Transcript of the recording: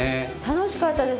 楽しかったです